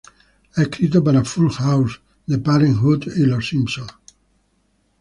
Ha escrito para "Full House", "The Parent 'Hood" y "Los Simpson".